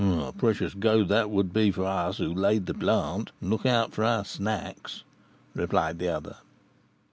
'" "A precious 'go' that would be for us, who 'laid the plant,' and look out for our 'snacks,'" replied the other.